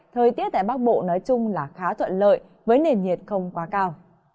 thời tiết tại bắc bộ nói chung là khá thuận lợi với nền nhiệt không quá cao